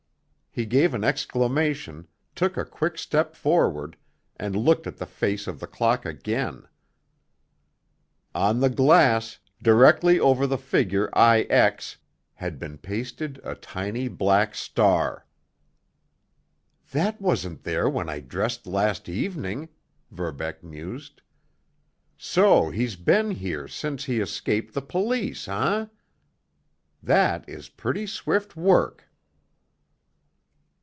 He gave an exclamation, took a quick step forward, and looked at the face of the clock again. On the glass, directly over the figure IX, had been pasted a tiny black star! "That wasn't there when I dressed last evening," Verbeck mused. "So he's been here since he escaped the police, eh? That is pretty swift work!"